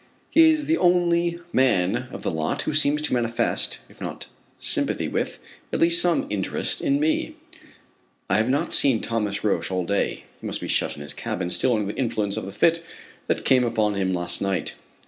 He is the only man of the lot who seems to manifest, if not sympathy with, at least some interest in me. I have not seen Thomas Roch all day. He must be shut in his cabin, still under the influence of the fit that came upon him last night.